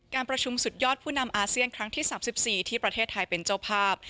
การประชุมสุดยอดผู้นำอาเซียนครั้งที่๓๔ที่ประเทศไทยเป็นเจ้าภาพ